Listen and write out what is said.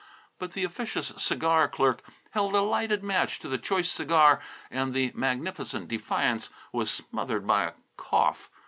But the officious cigar clerk held a lighted match to the choice cigar and the magnificent defiance was smothered by a cough.